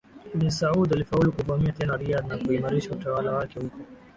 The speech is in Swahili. Ibn Saud alifaulu kuvamia tena Riyad na kuimarisha utawala wake huko